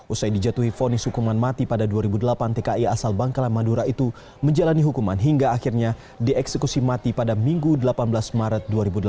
usai dijatuhi vonis hukuman mati pada dua ribu delapan tki asal bangkala madura itu menjalani hukuman hingga akhirnya dieksekusi mati pada minggu delapan belas maret dua ribu delapan belas